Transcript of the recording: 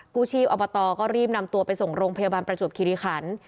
กู้ชีพอบตก็รีบนำตัวไปส่งโรงพยาบาลประจวบคิริขัน